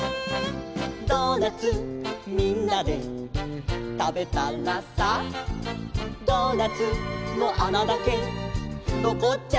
「ドーナツみんなでたべたらさ」「ドーナツのあなだけのこっちゃった」